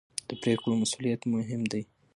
د پرېکړو مسوولیت مهم دی